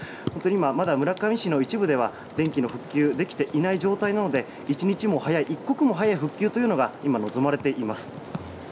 まだ村上市の一部では電気の復旧ができていない状態なので一日も早い一刻も早い復旧というのが今、望まれています。